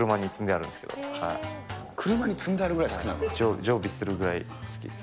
車に積んであるぐらい好きな常備するぐらい好きです。